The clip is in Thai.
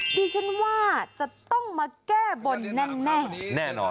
ดิฉันว่าจะต้องมาแก้บนแน่แน่นอน